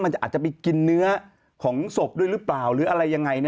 อาจจะไปกินเนื้อของศพด้วยหรือเปล่าหรืออะไรยังไง